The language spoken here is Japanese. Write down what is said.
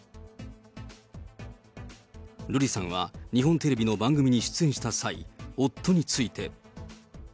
瑠麗さんは日本テレビの番組に出演した際、夫について。